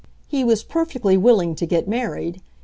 He was perfectly willing to get married.